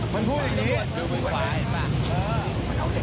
มันพูดอย่างนี้